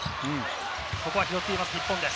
拾っています、日本です。